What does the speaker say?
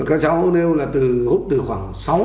các cháu nêu là từ hút từ khoảng sáu mươi